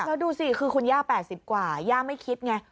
แล้วดูสิคือคุณย่า๘๐กว่าย่าไม่คิดไง